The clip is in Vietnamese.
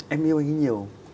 em yêu anh ấy nhiều